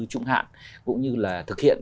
trung hạn cũng như là thực hiện